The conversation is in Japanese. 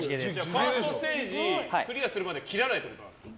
ファーストステージクリアするまで切らないってことですか。